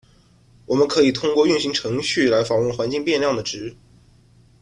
我们可以通过运行程序来访问环境变量的值。